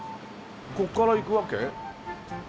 ここから行くわけ？